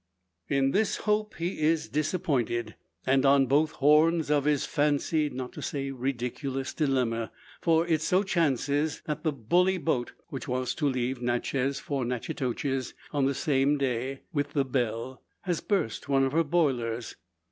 In this hope he is disappointed, and on both horns of his fancied, not to say ridiculous, dilemma. For it so chances, that the "bully" boat, which was to leave Natchez for Natchitoches on the same day with the "Belle," has burst one of her boilers.